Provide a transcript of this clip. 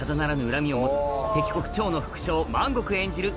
恨みを持つ敵国趙の副将万極演じる